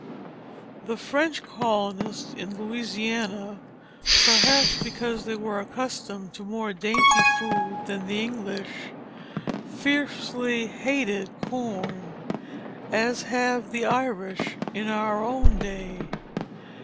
The French colonists in Louisiana, perhaps because they were accustomed to more dainty food than the English, fiercely hated corn, as have the Irish in our own day.